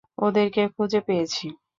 ওদেরকে খুঁজে পেয়েছি।